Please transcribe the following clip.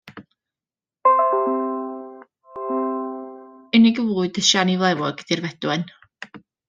Unig fwyd y siani flewog ydy'r fedwen.